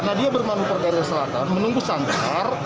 karena dia bermandu pergerakan selatan menunggu sandar